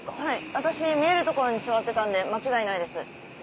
私見える所に座ってたんで間違いないです。